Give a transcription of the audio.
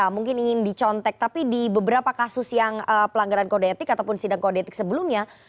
mungkin ingin dicontek tapi di beberapa kasus yang pelanggaran kode etik ataupun sidang kode etik sebelumnya